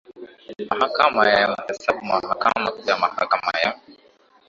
Mahakama ya Hesabu Mahakama Kuu ya Mahakama ya